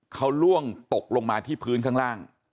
เขาล่วงตกลงมาที่พื้นข้างล่าง